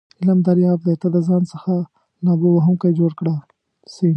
علم دریاب دی ته دځان څخه لامبو وهونکی جوړ کړه س